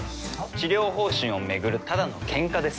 治療方針を巡るただのケンカです。